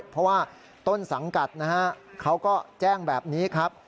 เพราะว่าต้นสังกัดนะฮะเขาก็แจ้งแบบนี้ครับ